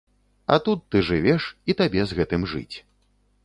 А тут ты жывеш, і табе з гэтым жыць.